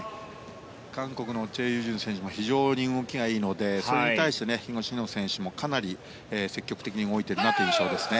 韓国のチェ・ユジュン選手も非常に動きがいいのでそれに対して東野選手もかなり積極的に動いているなという印象ですね。